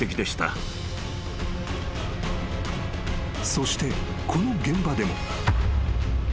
［そしてこの現場でも］